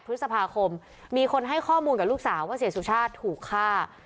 พฤษภาคมมีคนให้ข้อมูลกับลูกสาวว่าเสียสุชาติถูกฆ่า